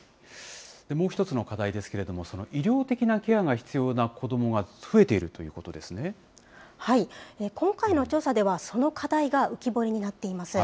もう１つの課題ですけれども、医療的なケアが必要な子どもが増今回の調査では、その課題が浮き彫りになっています。